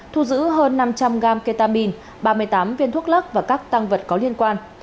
thu giữ hơn năm trăm linh g ketamine ba mươi tám viên thuốc lắc và các tăng vật có liên quan